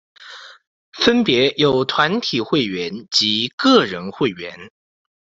分别有团体会员及个人会员。